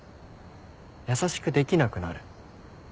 優しくできなくなる。